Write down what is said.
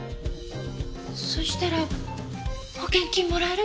そしたら保険金もらえる？